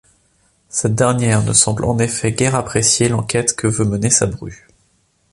Cette dernière ne semble en effet guère apprécier l'enquête que veut mener sa bru.